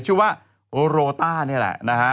ชื่อว่าโรต้านี่แหละนะฮะ